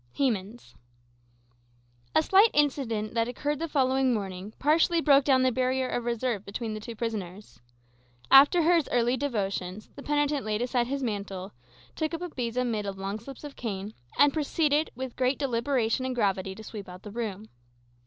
Hemans A slight incident, that occurred the following morning, partially broke down the barrier of reserve between the two prisoners. After his early devotions, the penitent laid aside his mantle, took up a besom made of long slips of cane, and proceeded, with great deliberation and gravity, to sweep out the room.